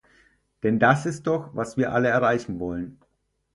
Denn das ist doch, was wir alle erreichen wollen.